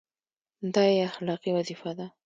دا یې اخلاقي وظیفه ده.